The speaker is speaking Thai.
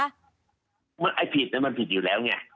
ไอ้ผิดมันผิดอยู่แล้วไง